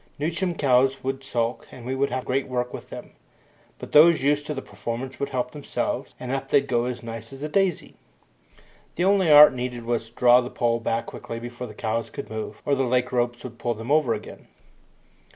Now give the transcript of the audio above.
New chum cows would sulk, and we would have great work with them; but those used to the performance would help themselves, and up they'd go as nice as a daisy. The only art needed was to draw the pole back quickly before the cows could move, or the leg ropes would pull them over again.